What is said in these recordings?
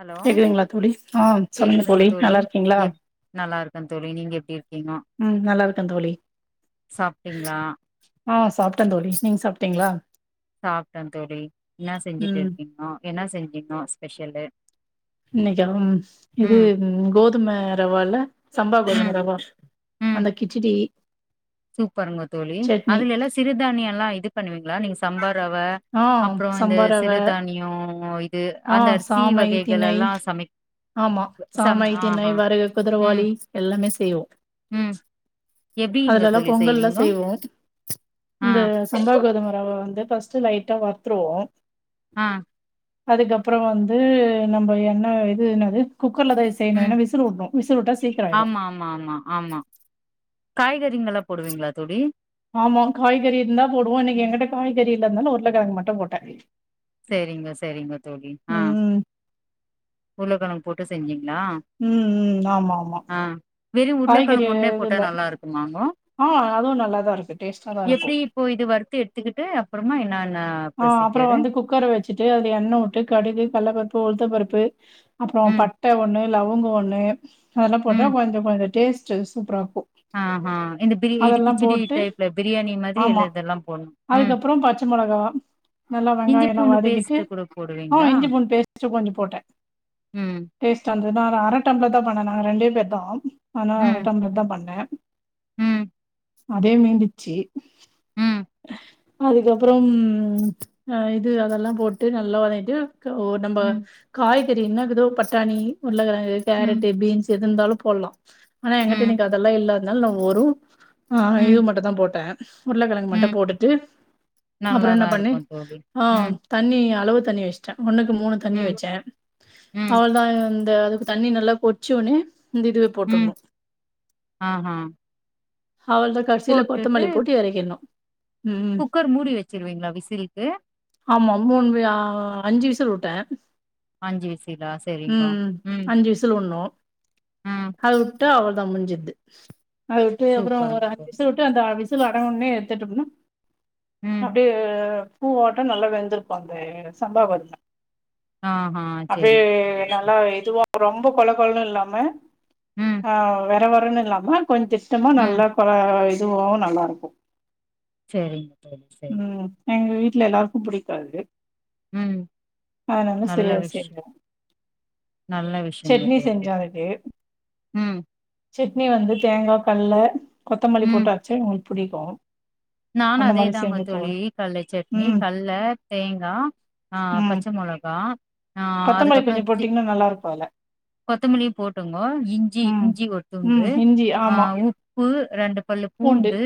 Hello கேக்குதுங்களா தோழி ஆ சொல்லுங்க தோழி நல்லா இருக்கீங்களா? க்கே தோழி நீங்க எப்டி இரு ம் நல்லா இருக்கே தோழி சாப்ட்டீங்களா ஆ சாப் டே தோழி நீங்க சாப்ட்டீங்களா? சாப்ட்டே தோழி என்னா ம் செஞ்சிட்ருக்கீங்கோ? என்ன செஞ்சீங்கோ ஸ்பெஷல்லு இன்னைக்கா ம் இது கோதும ரவா இல்ல சம்பா ம் கோதும ரவா அந்த கிச்சடி சூப்பருங்கோ தோழி சட்னி அதுல எல்லா சிறுதானிய எல்லா இது பண்ணுவீங்களா நீங்ஸ் சம்பர் ரவ ஆ அப்புறோ இந்த சம்பா ரவ சிறுதானியோ இது ஆ அந்த அரிசி சாமை வகைகள் திணை எல்லா சமைப் ஆமா சம் சாமை தினை ஆஹா வரகு ம் குதுரவாளி எல்லா எல்லாமே செய்வோ ம் எப்டிங்க அதுல எல்லா தோழி பொங்கல்லா செய்வீங்கோ செய்வோ ஆ இந்த சம்பா கோதும ரவ வந்து ஃபஸ்ட்டு லைட்டா வருத்துருவோ ஆ அதுக்கப்பறோ வந்து நம்ப என்ன இது என்னது குக்கர்லதா இது செய்யணு ம் ஏன்னா விசுலு உடுணு விசுலு உட்டா சீக்குறோ ஆயிடு காய்கறிங்களா போடுவீங்களா தோழி ஆமா காய்கறி இருந்தா போடுவோ இன்னிக்கு எங்கிட்ட காய்கறி இல்ல இருந்தாலு உருளக்கெழங்கு மட்டு போட்ட சேரிங்க சேரிங்க தோழி ஆ உருளக்கெழங்கு போட்டு செஞ்சேங்க ம் ம் ஆமா ஆமா வெரு காய்கறி உருளக்கெழங்கு ஒன்ன இது போட்டா இல்ல நல்லா இருக்குமாங்கோ ஆ அதுவு நல்லாதா இருக்கு டேஸ்ட்டா தா இருக்கு எப்டி இப்போ இது வருத்து எடுத்துக்கிட்டு அப்புறமா என்னான் ஆ அப்பறோ வந்து குக்கர வெச் வெச்சுட்டு அதுல எண்ண உட்டு கடுகு கடலப்பருப்பு உளுத்த பருப்பு அப்பறோ ம் பட்ட ஒண்ணு லவங்கோ ஒண்ணு அதுல்லா போட்டா ம் கொஞ்சோ கொஞ்ச டேஸ்ட் டு சூப்பரா ஆஹா இந்த பிரி இது அதெல்லா கிச்சடி போட்டு டைப்ல பிரியாணி மாதிரி ஆமா எல்லா இதெல்லாம் போடுனும் ம் அதுக்கப்புறோ பச்ச மொளகா நல்லா இஞ்சி வெங்காயோ எல்லா பூண்டு வதக்கிட்டு பேஸ்ட் கூட போடுவீங்களா இஞ்சி பூண்டு பேஸ்ட்டு கொஞ்சோ போட்ட ம் டேஸ்டா ன்ருதா நா அர டம்ளர்தா பண்ண நாங்க ரெண்டே பேர்தா அதனால அர ம் டம்ளர்தா பண்ண ம் அதே மீண்டுருச்சு ம் அதுக்கப்புறம் ம் ஆ இது அதெல்லா போட்டு நல்லா வதக்கிட்டு க்க ஒடம்ப ம் காய்கறின்னா எதோ பட்டாணி உருளக்கெழங்கு ம் கேரட்டு பீன்ஸ் எது இருந்தாலு போட்லா ஆனா எங்கிட்ட ம் இன்னக்கி அதெல்லா இல்லாதனால நா வெறு ஆ இது ம் மட்டுந்தா போட்டே உருளக்கெழங்கு மட்டு ம் போட்டுட்டு நல்லாதா பண்ணி இருக்கும் தோழி ஆ ம் தண்ணி அளவு தண்ணி வச்சுட்டே ஒன்னுக்கு மூணு தண்ணி ம் வச்சே ம் அவ்ளதா ம் து அதுக்கு தண்ணி நல்லா கொதிச்ச உடனே இந்த இதுவ ம் போட்றணு ஆஹா அவ்ளோதா கடைசில போட்டுட்டு கொத்தமல்லி போட்டு எறக்கிறணு குக்கர் மூடி வச்சிருவீங்களா வி ஆமா மூணு ஆ அஞ்சு விசில் விட்டே அஞ்சு விசிலா சரிங்கோ ம் ம் அது ட்டா அவ்ளதா முடிஞ்சுது ஆ இப்டியே அப்புறோ சூப்பருங்க ஒரு அஞ்சு தோழி விசில் விட்டு அந்த வி சிலு அடங்குனவுட்னே எடுத்துட்டம்னா ம் அப்டியே ஆ பூவாட்டோ நல்லா வெந்திருக்கு அந்த சம்பா கோதும ஆஹா அப்டியே சரிங்க தோழி, நல்லா சரி இதுவா ரொம்போ கொழகொழன்னு இல்லாம ம் ஆ வற வ றன்னு இல்லாம கொஞ்ச இஷ்டமா ம் நல்லா கொழ இதுவு நல்லா இருக்கு சேரிங்க தோழி சேரிங் ம் எங்க வீட்ல எல்லாருக்கு புடிக்கு அது ம் அதுனால நல்ல சுழியொ செஞ்சொ விஷயம் நல்ல விஷயங்க சட்னி தோழி செஞ்சொ அதுக்கு ம் சட்னி வந்து தேங்கா கல்ல கொத்தமல்லி ம் போட்டாச்சு புடிக்கு நானு அந்த அதே மாரி தாங்க செஞ்சு தோழி கல்ல சட்னி ம் கல்ல தேங்கா ஆ ம் பச்ச மொளகா ஆ கொத்தமல்லி அதுக்கப்றொ கொஞ்சோ தி போட்டீங்கன்னா நல்லா இருக்கு அதுல கொத்தமல்லியு போட்டுங்கோ இஞ்சி ம் இஞ்சி ஒரு ம் துண்டு இஞ்சி அ ஆமா உப்பு ரெண்டு பல்லு பூண்டு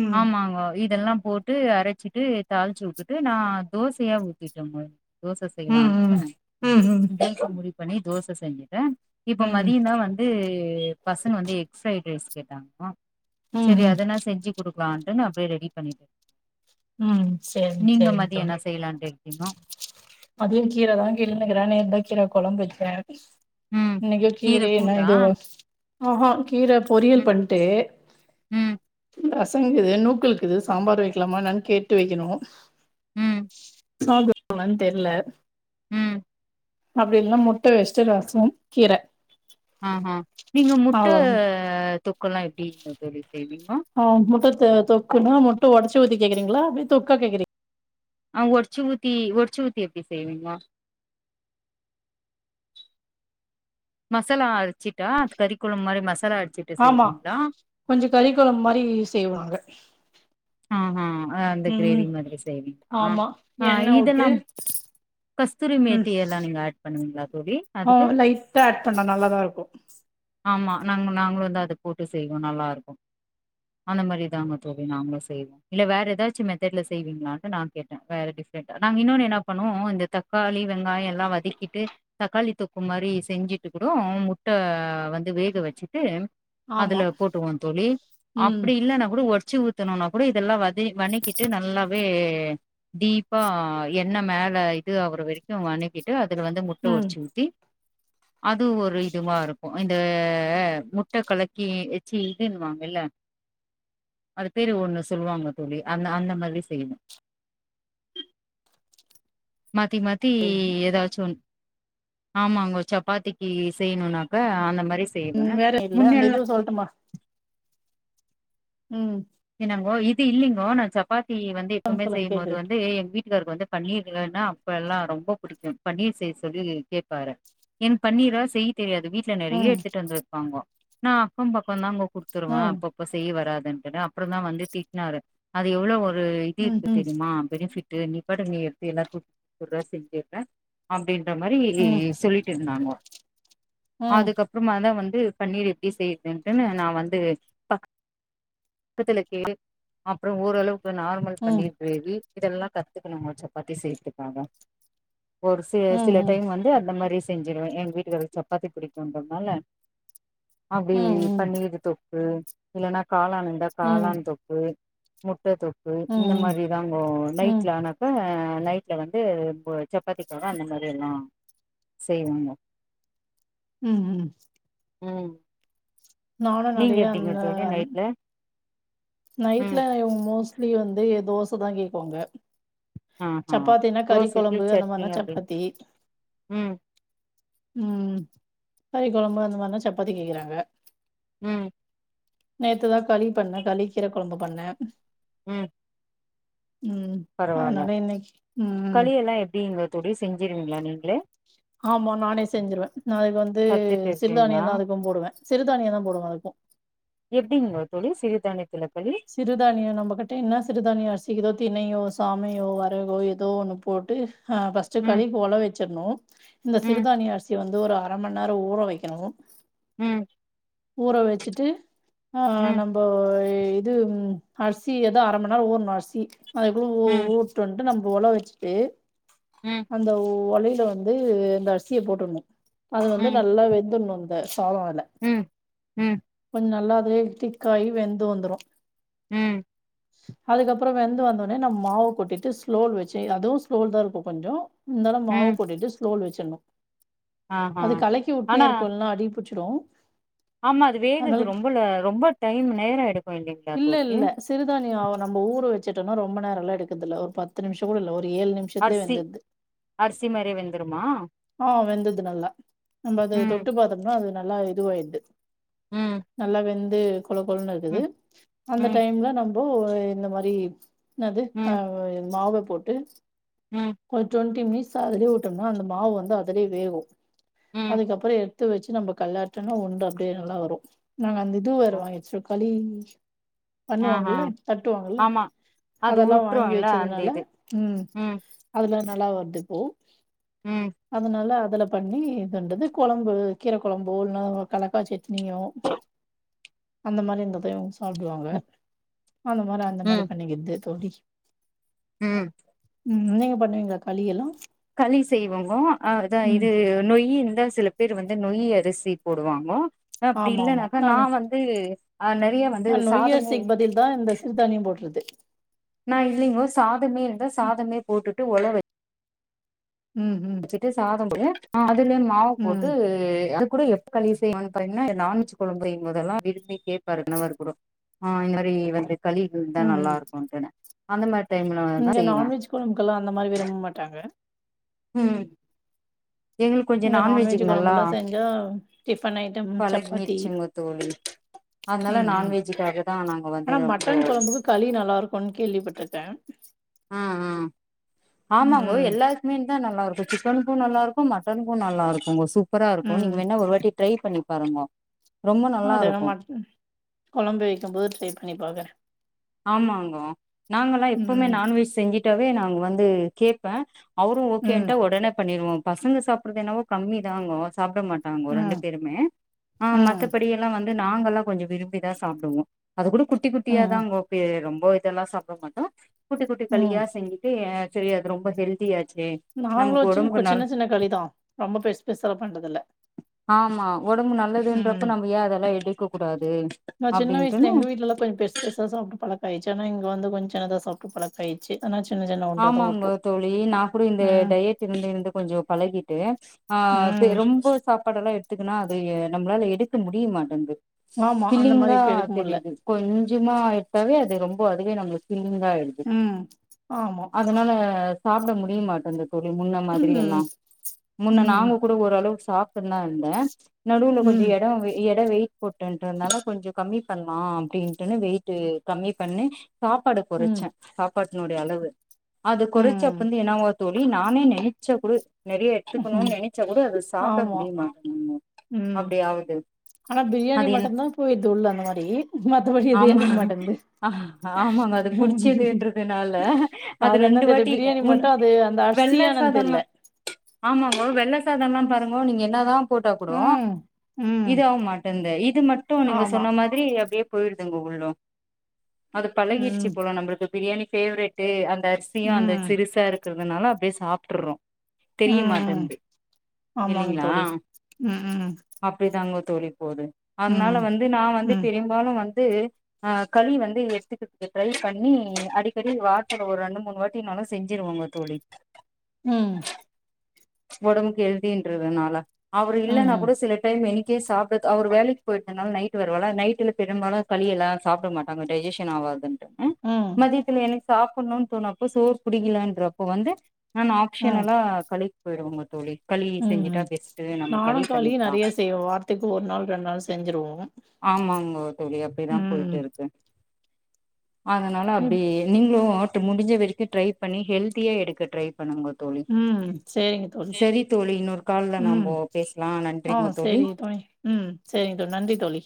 ம் ஆமாங்கொ இ தெல்லா போட்டு அரச்சிட்டு தாளிச்சு வுட்டுட்டு நா தோசையா ஊத்திட்டொங்க தோச ம் செய்லான்னு ம் ம் ம் வீட்ல முடிவு பண்ணி தோச செய்ய றே இப்ப ம் மதியந்தா வந்து பசங்க வந்து எக் ஃப்ரைட் ரைஸ் கேட்டாங்கொ ம் செரி ம் அதனா செஞ்சு குடு க்லான்ட்டு நா போய் ரெடி பண்ணிட்டெ ம் சேரிங் சேரிங் தோழி என்ன செய்யலான்ட்டு இருக்கீங்கோ? மதியம் கீர தா கிள்னிக்கிற நேத்தா கீர கொழம்பு வச்சே ம். இன்னைக்கொ கீர என்ன கூட்டா? இதுவொ ஆஹா கீர பொரியல் ம், பண்ட்டு ம், ரசங்கிது நூக்கல்கிது சாம்பார் வைக்லாமா என்னன் கேட்டு வக்கெணு ம், [inaudible] தெர்ல ம் அப்டி இல்னா முட்ட வச்சுட்டு ரசம் கீர ஆஹா. நீங்க முட்ட அவ்ளோதா தொக் குல்லா எப்டிங்க தோழி செய்வீங்கோ? ஆ முட்டத்த தொக்குனா மு ட்ட ஒடச்சு ஊத்தி கேக்குறீங்ளா அப்டி தொக்கா கேக்குறீ ஆ ஒட்ச்சு ஊத்தி ஒட்ச்சு ஊத்தி எப்டி செய்வீங்கா மசாலா அரச்சிட்டா அது கறி கொழம் மாரி ம ஆமா கொஞ்ச கறி கொழம் மாரி செய்வாங்க ஆ ஹா ஆ அந்த ம் கிரேவி மாதிரி செய்வீங்ளா ஆமா ஆ எண்ணெ வுட்டு இதல்லாம் கஸ்தூரி ம் மேட்டி எல்லா நீங்க ஆட் பண்ணுவீங்ளா தோழி ஆ அதுக்கு லைட்டா ஆட் பண்ணா நல்லாதா இருக்கு ஆமா நாங்க நாங்ளு வந்து அத போட்டு செய்வோ நல்லாருக்கு அந்த மாரி தாங்க தோழி நாங்ளு செய்றதா இல்ல வேற ஏதாச்சும் மெத்தெடுல செய்வீங்களா நா கேட்ட வேற டிஃப்ரென்டா நாங்க இற்னொன் என்ன பண்ணோ ஓ இந்த தக்காளி வெங்காயோ எல் லா வதக்கிட்டு தக்காளி தொக் இது மாரி செஞ்சுட்டு கூடோ முட்ட வந்து வேக வெச்சுட்டு ஆமா அதுல போட்ருவோ தோழி ம் அப்டி இல்லன்னா கூட ஒடச்சு ஊத் துனுனா கூட இதெல்லா வச் டு வனக்கிட்டு நல்லாவே தீபா என்ன மேல இது அவர வரைக்கு அனுக்கிட்டு அது அதுல வந்து முட்ட ம் ஒடச்சு ஊத்தி அது ஒரு இதுமா இருக்கு இந்த முட்ட கலக்கி எச்சு இதுன்வாங்க இல்ல அது பேரு ஒண்ணுஸ் சொல்லுவாங்க தோழி அந்த அந்த மாதிரி செய்யணு மாத்தி மாத்தி ஏதாச்சு ஒன் ஆமாங்கோ சப்பாத்திக்கு செய்னுனாக்க அந்த மாரி செய்வே ம் வேற இல்ல அந்த முன்னெல்லா இதுவு சொல்லட்டுமா ம் என்னங்கோ இது இல்லிங்கோ நா சப்பாத் தி வந்து சொல்லுங்க எப்போமே சொல்லுங்க செய்யும்போது கேக்குது வந்து எங்க வீட் தர்க்கு வந்து பன்னீர் இல்லனா அப்ப எல்லா ரொம்போ புடிக்கு பன்னீர் செய் சொல்லி கேட்பாரு என் பன்னீரா செய் தெரியாது வீட்ல நெறைய ம் எடுத்துட்டு வந்து வெப்பாங்கோ நா அக்கம் பக்கம் தாங்கோ குடுத்துருவா ம் அப்பப்போ செய்ய வராது [unintelligible] அப்புறந்தா வந்து திட்னாரு அது எவ்ளோ ஒர் ரு இது ம் இருக்கு ம் தெரியுமா பெனிபிட் டு நீ பாட்டுக்கு நீ எடுத்து எல்லாருக்கு குடுக்கவே செஞ்சுற அப்டின் அந்த மாரி ம் சொல்லிட்டு இருந்தாங்கோ ம் அதுக்கப்பறமாதா வந் து பன்னீரு எப்டி செய்ருதுன்னு நா வந்து ப பக்கத்துல கேட்டு அப்புறோ ஓரளவு வு நார்மல் ம் பன்னீர் கிரேவி இதெல்லா கத்துக்கணுங்க சப்பாத்தி செய்றதுக்காக ஒரு சி ம் ம் சில ம் டைம் வந்து அந்த மாரிஸ் செஞ்சுருவ எங்க வீட்டுக்காரருக்கு சப்பாத்தி புடிக்குன்றதுனால அப்டில் ம் ம் பன்னீர் தொக்கு இல்லன்னா காளான் காளான் தொக்கு முட்ட தொக் கு இந்த ம் மாதிரிதாங்கோ ம் நைட்ல ஆனப்ப நைடில வந்து இப்பே சப்பாத்திகா அந்த மாரி எல்லா செய்வாங்க ம் ம் ம் நானு நீங்க நெறைய எப்டிங்க அந்த தோழி நைட்ல நைட்ல ம் மோஸ் பிள்ளைங்க வந்து தோச தா கேட்கோங்க ஆஹா சப்பாத்தினா கறி தோசைக்கு கொழம்பு அந்த சட்னி மாரினா அப்டி சப்பாத்தி ம் ம் கறி கொழம்பு அந்த மாரினா சப்பாத்தி கேக்குறாங்க ம் நேத்து தா களி பண்ண களி கீரை கொழம்பு பண்ணேன் ம் ம் பரவால்ல அதனால இன்னைக்கு ம் [unintelligible] செஞ்சிருவிங்களா நீ ஆமா நானே செஞ்சிருவன் நா அதுக்கு வந்து கத்துட்டு இருக்கீங்களா சிறுதானியம் தா அதுக்கும் போடுவேன் சிறுதானியம் தா போடுவே அதுக்கும் எப்டிங்க தோழி சிறுதானிய சிறுதானிய நம்ம கிட்ட என்ன சிறுதானிய அரிசி இருக்தோ தினையோ சாமையோ வரகோ ஏதோ ஒண்ணு போட்டு ஆ ஃபஸ்ட்டு ம் களி போல வச்சுறானு இந்த ம் சிறுதானி அரிசி வந் து ஒரு அரை மணி நேரம் ஊற வைக்கணு ம் ஊற வச்சிட்டு ஆ ம் நம்ப இது அரிசி ஏதோ அரை மணிநேரம் ஊரணும் அரிசி அது ஊ ம் ஊருடன்டு நம் போல வச்சுட்டு ம் அந்த ஒ ஒலையில வந்து இந்த அரிசிய போட்டுறனு அது வந்து ம் நல்லா வெந்துடணு இந்த ம் [unintelligible] ம் கொஞ்ச நல்லா அதுவே திக்காயி வெந்து வந்துரு ம் அதுக்கப்ற வெந்து வந்தோனெ நம் மாவ கொட்டிட்டு ஸ்லோல் வச்சு அதுவு ஸ்லோல் தா இருக்கு கொஞ்சொ இந்தாலு மாவ ம் போட்டிட்டு ஸ்லோல் வச் சுன்னு ஆஹா அது கலக்கி ஆனா உட்னேற்கொள்னா அடிபுச்சு ட்ரு ஆமா அது வேகுது ரொம்பல ரொம்ப டைம் நேர எடுக்கு இல்லிங்ளா தோழி ச்சுட்டொன்னா ரொம்ப நேரல்லா எடுக்கதுல்ல ஒர் பத்து நிமிஷ கூட இல்ல ஒர் ஏழு நிமிஷத்லே அரிசி வெந்துர்து அரிசி மாரியே வெந்துருமா ஆ வெந்து ர்து நல்லா நம்ப அது ம் தொட்டு பாத்தம்னா அது நல்லா இதுவாயிர்து ம் நல்லா வெந் து கொழன் கொழன் இருக்குது ம் அந்த ம் டைம்ல நம் [unintelligible] இந்த மாரி னது அ ம் வ மாவ போட்டு ம் கொஞ்சொன் டெம்மிஸ் அதுலயே உட்டொன்னா அந்த மாவு வந்து அதுலயே வேகு ம் அதுக்கப்பறொ எ த்து வச்சு நம்ப கள்ளாட்டனா உண்ட [unintelligible] நல்லா வரு நாங்க அந்த இது வருவொ [unintelligible] கலி [inaudible] ஆஹா பண்ணுவாங்கல்ல தட்டுவாங்கல்ல ஆமா அது அதெல்லா வாங்கி உட்ருல்ல அந்த வச்சதுனால இது ம் அதுல நல்லா வர்திப்போ ம் அதுனால அ தல பண்ணி இதன்டது கொழம்பு கீர கொழம்போ இல்னா கல [unintelligible] சட் னியோ அந்த மாரி இந்தது சாப்டுவாங்க அந்த மாரி அந்த மாரி பண்ணிக்கித்து தோழி [inaudible] ஆ ம் [unintelligible] பண்ணுவீங்ளா களியெல்லா களி செய்வங்கோ அ இதா இது நொய்யி அ சில பேர் வந்து நொய்யி அரிசி போடுவாங்கொ அப்டி ஆமா ஆமா இல்லன்னாக்கா நா நானு வந்து அ நெறைய வந்து சாதமு சிறு தானியம் போட்றது நா இல்லெங்கோ சாதமே இருந்தா ம் சாதமே போட்டு ட்டு ஒல வ ம் ச்சிட்டு சாதம் போயா அ துலே மாவு போட்டு ம் அர கூட எப்ப இது செய்வானு [unintelligible] நான்வெஜ் கொழம்பு செயும்போதல்லா விரும்பி கேப்பாரு கணவருகூட ஆ இந்த மாரி வந்து களி ம் இருந்தா ம். நல்லாருக்கு அப்டினு அந்த மா இங்க நான்வெஜ் கொழம்புக்கல்லா அந்த மாரி விரும்ப மாட்டாங்க ம் எங்களுக்கு கொஞ்சோ இங்க நான்வெஜூ நான்வெஜ்ஜுக்கு நல்லா கொழம்புல்லா செஞ்சா டிஃபன் ஐட்டம் சப்பாத்தி பழகிடுச்சுங்க தோழி அதனால ம் ம் நான்வெஜ்ஜுக்காக தா நாங்க வந்து ஆனா ரொம்ப மட்டன் கொழம்புக்கு களி நல்லா இருக்குன் கேள்விப்பட்ருக்கே அ ஆ ஆமாங்கோ ம் எல்லா இதுக்மே தா நல்லாருக் கு சிக்கன்க்கு நல்லார்க்கு மட்டன்க்கு நல்லார்க்குங்க சூப் பரா இருக்கு நீங்க ம் வேணா ஒரு வாட்டி ட்ரை பண்ணி பாருங்க [unintelligible] மட்டன் கொழம்பு வைக்கும்போது ட்ரை பண்ணி பாக்குறெ ஆமாங்கோ நாங்கள்லா ம் எப்பவ்மே நான்வெஜ் செஞ்சிட்டாவே நா வந்து கேப்பே அவரு ம் ஓகேன்ட்டா ஒடனே பண்ணிருவோ பசங்க சாப்புறதென்னவோ கம்மிதாங்கொ சாப்ட மாட்டாங்கொ ரெண்டு ம் பேருமே ஆ ம் மத்தபடி எல்லா வந் து நாங்கள்லா கொஞ்சொ விரும்பிதா சாப்டுவோ அது கூட குட்டி குட்டியா ம் தாங்கொ ரொம்ப இதெல்லா சாப்ட மாட்டோ குட்டி குட்டி ம் களியா செஞ்சுட்டு ஏ செரி அது ரொம்ப ஹெல்தியாச் நாங்லோச்சு இப்ப சின்ன சின்ன களிதா ரொம்ப பெஸ் பெர்சல்லா பண்றதுல்ல ஆமா ஒடம்பு நல்லதுன்றப்ப நம்ம ஏ அதெல்லா எடு க்க கூடா நா சின்ன வயிசுல எங்கு வீட்டுல எல்லா கொஞ்சு பெர்ஸ் பெரிசா சாப்பிட்டு பழக் க ஆயிச்சு ஆனா இங்க வந்து கொஞ்ச சின்னதா சாப்பிட்டு பழக்கயிச்சு ஆனா சின்ன சின்ன ஒண்டாதா ஆமாங்க ஒட்ரு தோழி நா கூட இந்த ம் டயட் இருந்து இருந்து கொஞ்சோ பழகிட்டு ஆ பெ ம் ரொம்ப சாப்பாடெல்லா எ த்துக்குன்னா அதையே நம்மளால எடுக்க முடிய மாட்டேங்குது ஆமா அந்த மாரி இல்லீங்களா இப்ப எடுக்க முட்ல தெரியுது கொஞ்சு கிம்மா எட்டாவே அது ரொம்ப அதுவே நம்ளுக்கிம் உங்காயிறது ம் ஆமா அதுனால சாப்பிட முடியமாட்டேங்குது தோழி முன்ன மாதிரி எல்லா ம் முன்ன நாங்க ம் கூட ஓரளவுக் சாப்புட்னா இருந்தே நடுவுல கொஞ்சு ம் எடோ வெ எட வெயிட் போட்டயின்ட நால கொஞ்சு கம்மி பண்லாம் அப்டின்ட்டுனு வெயிட்டு கம்மி பண்ணி சாப்பாடு ம் கொறைச்சே சாப்பாடு என்னோடிய அளவு அது கொறைச்ச ம் அப்பந்தி என்னாவுது தோழி நானே நயைச்ச கூடி நெறைய எடுத்துக்கணு ம் நினைச்சா கூட அத சாப்பிட ஆமா முடிய மாட்டிங்கி ம் அப்டியாவுது ஆனா பிரியாணி மட்டுதா [unintelligible] தொழ் அந்த மாரி மத்தபடி எது ஆமா எடுத்துக்க மாட்டே ஆமாங்க அது புடிச்சதுன்றதுனால [unintelligible] அது என்ன ரெண்டு தெரி வாட்டி பிரியாணி உன் மட்டு அது அந்த அரிசியானு தெர்ல ஓ வெள்ள சாதோல்லா பாருங்கோ நீங்க என்னாதா போட்டா கூடோ ம் ம் இதாவு மாட்டேந்து இது மட்டு நீங்க ஆமா சொன்ன மாதிரி அப்டியே போயிரு எங்க உள்ளோ அது பழகிருச்சி ம் போலா நம்ளுக்கு பிரியாணி ஃபேவ்ரெட்டு அந் இந்த அரிசியு அந்த ம் சிறுசா இருக் க்ருதுனால அப்டியே சாப்டுர்றோ தெரிய ம் மாட்டென்து ஆமாங்க இல்லிங்ளா தோழி ம் ம் அப்டிதாங்கொ தோழி போது அத்னால ம் வந்து நா வந்து ம் பெரிம்பாலு வந் து அ களி வந்து எட்த்துக்குர்க்கு ட்ரை பண்ணி அடிக்கடி வாச த்ல ஒர் ரெண்டு மூணு வாட்டினாலு செஞ்சிருவொங்க தோழி ம் ஒடம்புக்கு ஹெல்த்தின்றதுனால அவரு ம் இல்லன்னா ம் கூட சில டைம் எனி க்கே சாப்டத் அவர் வேலைக்கி போயிட்டனால் நைட்டு வருவால நைட்டுல பெரும்பாலு களி எல்லா சாப்ட மாட்டாங்க டைஜெஷன் ஆவாதுன் அ ம் மதியத்துல என சாப்புன்னுன் தோனு அப்ப சோற் புடிக்கலென்றப்ப வந்து நான் ஆப்ஷனலா களி போயிடுவங்க தோழி ம் செஞ்சுட்டா ம் பெஸ்ட்டு நம்ம நானு களி களீ பண்ணிக்லா நறைய செய்வோ வார்த்துக்கு ஒரு நாள் ரெண் நாள் செஞ்சிருவோ ஆமாங்க தோழி அப்டிதா ம் போயிட்டு இருக்கு அதனால இப் அப்டி நீங்ளு டு முடுஞ்ச வரைக்கு ட்ரை பண்ணி ஹெல்தியா எடுக்க ட்ரை பண்ணுங்க தோழி ம் சேரி ங்க தோழி சரி தோழி இன்னொரு கால்ல ம் நம்போ பேசலா ஆ நன்றிங்க சேரிக தோழி ம் சேரிங்க தோழி நன்றி தோழி